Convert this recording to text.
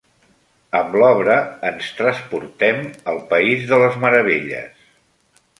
Amb l'obra ens transportem al País de les Meravelles.